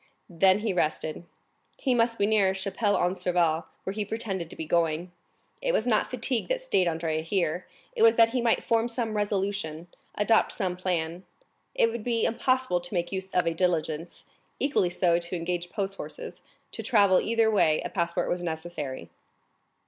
Then he rested; he must be near Chapelle en Serval, where he pretended to be going. It was not fatigue that stayed Andrea here; it was that he might form some resolution, adopt some plan. It would be impossible to make use of a diligence, equally so to engage post horses; to travel either way a passport was necessary.